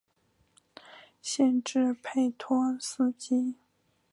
县治佩托斯基。